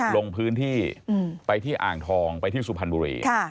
ลงพื้นที่ไปที่อ่างทองไปที่สุพรรณบุรี